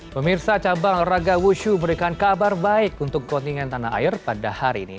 pemirsa cabang raga wushu memberikan kabar baik untuk kontingen tanah air pada hari ini